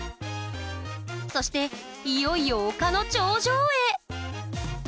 そしていよいよ丘の頂上へ！